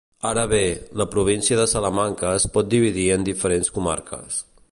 Ara bé, la província de Salamanca es pot dividir en diferents comarques.